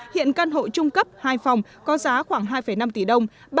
hiện căn hộ trung cấp hai phòng có giá khoảng hai năm tỷ đồng